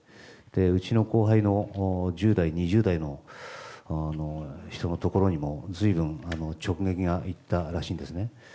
うちの後輩の１０代、２０代の人のところにも随分、直撃がいったらしいんですね。